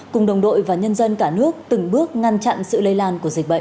cùng đồng đội và nhân dân cả nước từng bước ngăn chặn sự lây lan của dịch bệnh